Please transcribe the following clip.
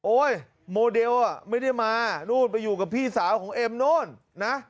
โอ๊ยโมเดลอ่ะไม่ได้มานู้นไปอยู่กับพี่สาวของเอ็มนู้นนะ